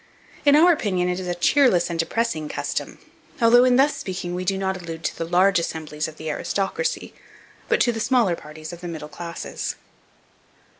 In our opinion, it is a cheerless and depressing custom, although, in thus speaking, we do not allude to the large assemblies of the aristocracy, but to the smaller parties of the middle classes.